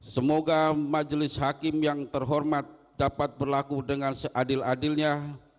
semoga majelis hakim yang terhormat dapat berlaku dengan seadil adilnya